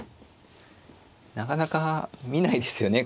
なかなか見ないですよね。